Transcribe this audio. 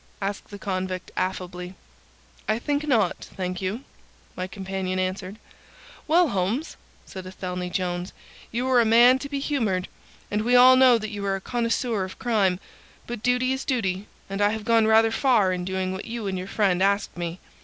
asked the convict, affably. "I think not, thank you," my companion answered. "Well, Holmes," said Athelney Jones, "You are a man to be humoured, and we all know that you are a connoisseur of crime, but duty is duty, and I have gone rather far in doing what you and your friend asked me.